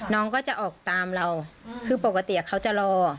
น้องก็จะออกตามเราคือปกติเขาจะรอ